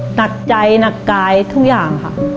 หนักใจหนักกายทุกอย่างค่ะ